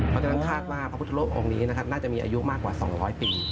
เพราะฉะนั้นคาดว่าพระพุทธรูปองค์นี้นะครับน่าจะมีอายุมากกว่า๒๐๐ปี